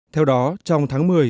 theo đó trong tháng một